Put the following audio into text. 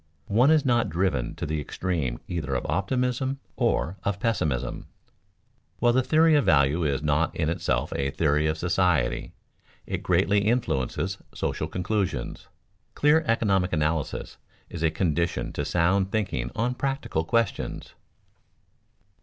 One is not driven to the extreme either of optimism or of pessimism. While the theory of value is not in itself a theory of society, it greatly influences social conclusions. Clear economic analysis is a condition to sound thinking on practical questions.